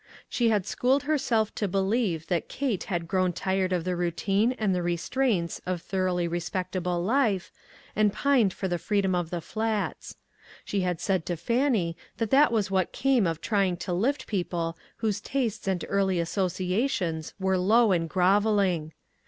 She had schooled her self to believe that Kate had grown tired of the routine and the restraints of thor oughly respectable life, and pined for the freedom of the Flats. She had said to Fan nie that that was what came of trying to lift people whose tastes and early associa tions were low and groveling.